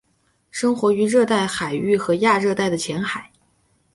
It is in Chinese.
生活于热带海域及亚热带的浅海。